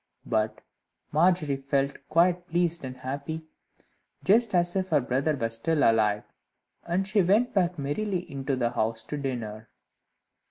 But Margery felt quite pleased and happy, just as if her brother were still alive. And she went back merrily into the house to dinner.